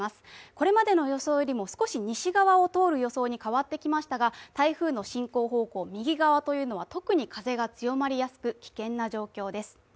これまでの予想よりも少し西側を通る予想に変わってきましたが、台風の進行方向、右側は特に風が強まりやすく、危険な状況です。